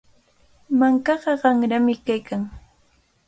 Mankaqa qanrami kaykan.